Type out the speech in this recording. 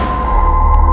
aku akan menangkapmu